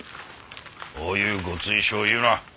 そういうご追従を言うな。